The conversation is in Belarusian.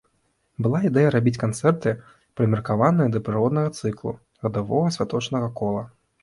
Была ідэя рабіць канцэрты, прымеркаваныя да прыроднага цыклу, гадавога святочнага кола.